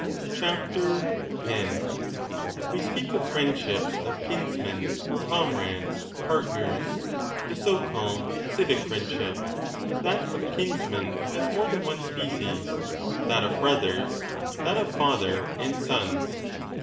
1242* We speak of friendships of kinsmen, comrades, partners, 10 the so called * civic friendship '. That of kinsmen has more than one species, that of brothers, that of father and sons.